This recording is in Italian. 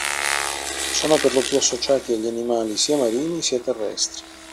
Sono perlopiù associati agli animali sia marini sia terrestri.